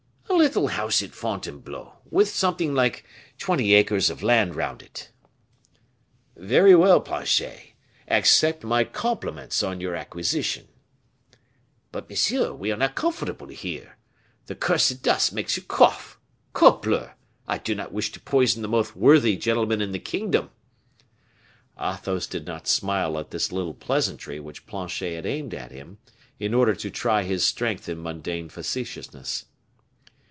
"A little house at Fontainebleau, with something like twenty acres of land round it." "Very well, Planchet! Accept my compliments on your acquisition." "But, monsieur, we are not comfortable here; the cursed dust makes you cough. Corbleu! I do not wish to poison the most worthy gentleman in the kingdom." Athos did not smile at this little pleasantry which Planchet had aimed at him, in order to try his strength in mundane facetiousness.